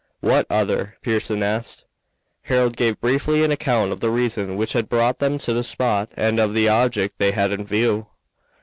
"What other?" Pearson, asked. Harold gave briefly an account of the reason which had brought them to the spot and of the object they had in view.